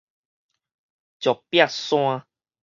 石壁山